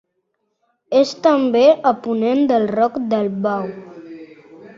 És també a ponent del Roc del Bau.